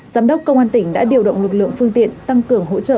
giám đốc công an tỉnh đã điều động lực lượng phương tiện tăng cường hỗ trợ